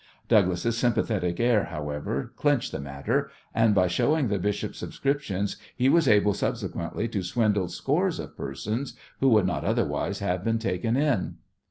Douglas' sympathetic air, however, clinched the matter, and by showing the bishops' subscriptions he was able subsequently to swindle scores of persons who would not otherwise have been taken in.